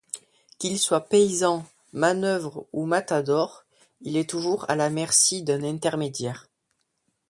Qu'il soit paysan, manœuvre ou matador, il est toujours à la merci d'un intermédiaire.